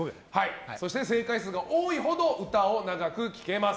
そして、正解数が多いほど歌を長く聴けます。